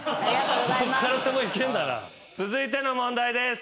続いての問題です。